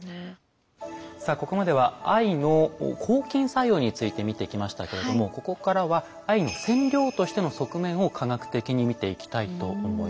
さあここまでは藍の抗菌作用について見てきましたけれどもここからは藍の染料としての側面を科学的に見ていきたいと思います。